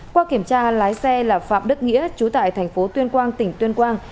qua kiểm tra lái xe là phạm đức nghĩa chú tại thành phố tuyên quang tỉnh tuyên quang